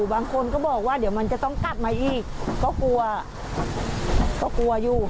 บางคนก็บอกว่าเดี๋ยวมันจะต้องกลับมาอีกก็กลัวก็กลัวอยู่